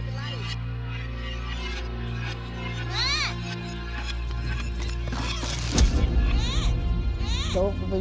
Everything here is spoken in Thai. เกือบไปที่โรงพยาบาล